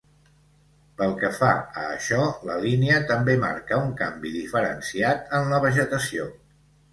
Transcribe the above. Pel que fa a això, la línia també marca un canvi diferenciat en la vegetació.